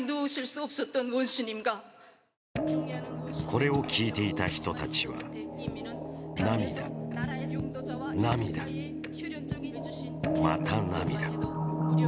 これを聞いていた人たちは涙涙また涙。